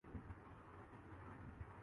غیر متعلق افراد کے ہاتھوں میں آجاتے ہیں